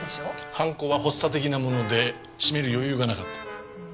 犯行は発作的なもので閉める余裕がなかった。